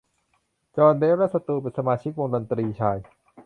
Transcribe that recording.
จอส เดฟ และสตูเป็นสมาชิกวงดนตรีชาย